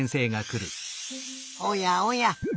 おやおや。